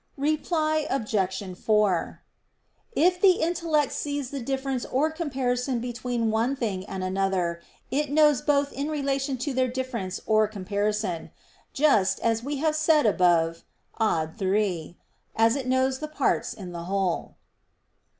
Reply Obj. 4: If the intellect sees the difference or comparison between one thing and another, it knows both in relation to their difference or comparison; just, as we have said above (ad 3), as it knows the parts in the whole.